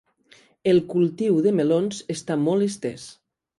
El cultiu de melons està molt estès.